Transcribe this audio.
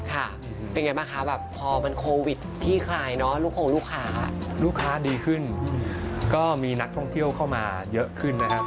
ค่ะเป็นไงบ้างคะแบบพอมันโควิดขี้คลายเนอะลูกคงลูกค้าลูกค้าดีขึ้นก็มีนักท่องเที่ยวเข้ามาเยอะขึ้นนะครับ